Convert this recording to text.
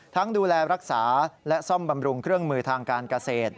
ดูแลรักษาและซ่อมบำรุงเครื่องมือทางการเกษตร